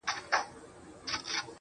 ستا د ښکلي مخ له رويه چي خوښيږي,